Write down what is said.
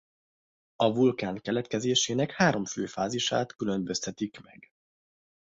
A vulkán keletkezésének három fő fázisát különböztetik meg.